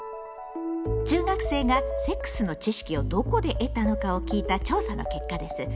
中学生がセックスの知識をどこで得たのかを聞いた調査の結果です。